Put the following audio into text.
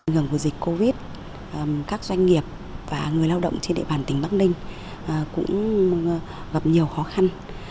ngừng của dịch covid các doanh nghiệp và người lao động trên địa bàn tỉnh bắc ninh cũng gặp nhiều khó khăn